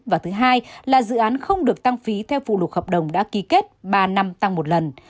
và thứ hai là dự án không được tăng phí theo phụ lục hợp đồng đã ký kết ba năm tăng một lần